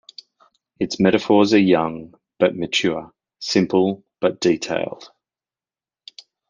Its metaphors are young, but mature, simple, but detailed.